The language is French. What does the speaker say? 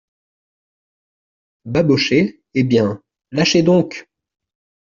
Babochet Eh bien ? lâchez donc !